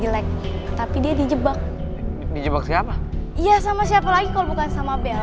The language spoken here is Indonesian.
sampai jumpa di video selanjutnya